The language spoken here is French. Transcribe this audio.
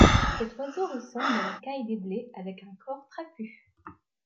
Cet oiseau ressemble à la Caille des blés avec un corps trapu.